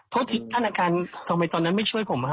เพราะที่ท่านอาการทำไมตอนนั้นไม่ช่วยผม